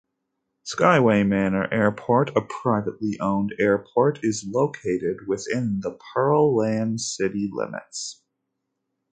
Skyway Manor Airport, a privately owned airport, is located within the Pearland city limits.